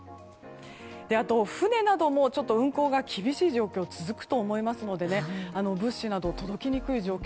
あと、船なども運航が厳しい状況が続くと思いますので物資など届きにくい状況